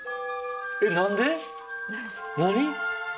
何？